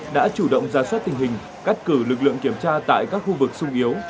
đã chủ động ra soát tình hình cắt cử lực lượng kiểm tra tại các khu vực sung yếu